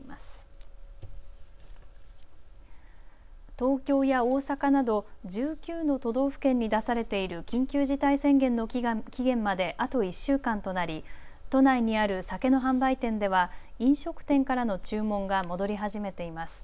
東京や大阪など１９の都道府県に出されている緊急事態宣言の期限まであと１週間となり都内にある酒の販売店では飲食店からの注文が戻り始めています。